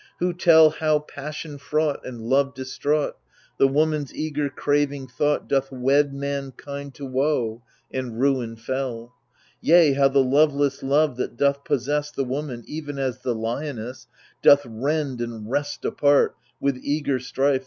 Who tell, how, passion fraught and love distraught, The woman's eager, craving thought Doth wed mankind to woe and ruin fell ? Yea, how the loveless love that doth possess The woman, even as the lioness, Doth rend and wrest apart, with eager strife.